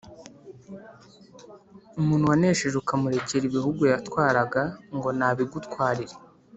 umuntu wanesheje ukamurekera ibihugu yatwaraga, ngo nabigutwarire!